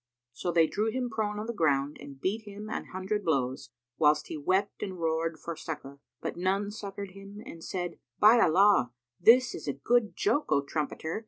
So they threw him prone on the ground and beat him an hundred blows, whilst he wept and roared for succour, but none succoured him, and said, "By Allah, this is a good joke O trumpeter!